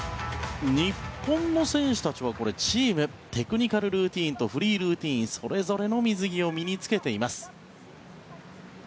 日本の選手たちはチームテクニカルルーティンとフリールーティンそれぞれの水着を身に着けています。